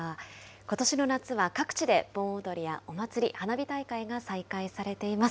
ことしの夏は各地で盆踊りやお祭り、花火大会が再開されています。